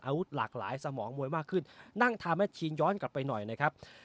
หลากหลายสมองมวยมากขึ้นนั่งทาแมทชีนย้อนกลับไปหน่อยนะครับ